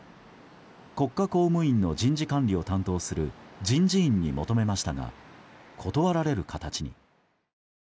国家公務員の人事管理を担当する人事院に求めましたが断られる形に。